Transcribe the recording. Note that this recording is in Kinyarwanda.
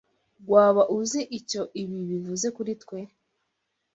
Waba uzi icyo ibi bivuze kuri twe?